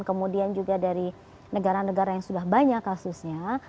kemudian juga dari negara negara yang sudah banyak kasusnya